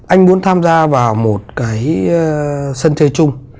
anh muốn tham gia vào một cái sân chơi chung